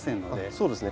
そうですね。